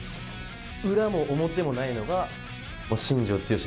裏も表もないのが新庄剛志